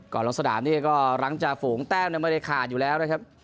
ลงสนามเนี่ยก็หลังจากฝูงแต้มไม่ได้ขาดอยู่แล้วนะครับ